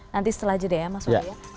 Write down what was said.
nanti setelah jdm mas wahyu